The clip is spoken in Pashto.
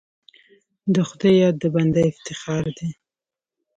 د خدای یاد د بنده افتخار دی.